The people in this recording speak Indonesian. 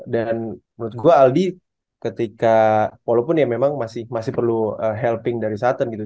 dan menurut gue aldi ketika walaupun ya memang masih perlu helping dari sutton gitu